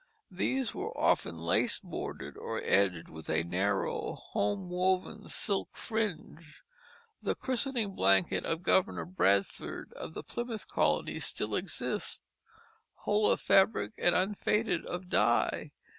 These were often lace bordered or edged with a narrow home woven silk fringe. The christening blanket of Governor Bradford of the Plymouth Colony still exists, whole of fabric and unfaded of dye.